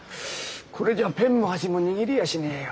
これじゃペンも箸も握れやしねえよ。